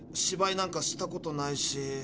芝居なんかしたことないし。